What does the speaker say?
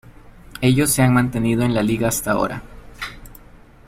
Ellos se han mantenido en la liga hasta ahora.